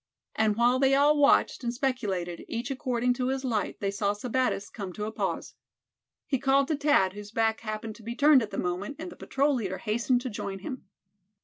And while they all watched, and speculated, each according to his light, they saw Sebattis come to a pause. He called to Thad, whose back happened to be turned at the moment; and the patrol leader hastened to join him.